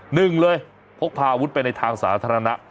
หนึ่งเลยพกพาอาวุธไปในทางสาธารณะ